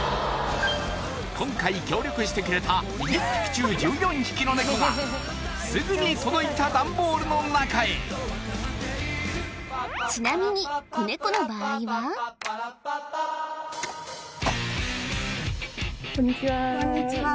今回協力してくれた２０匹中１４匹のネコがすぐに届いたダンボールの中へちなみにこんにちはこんにちは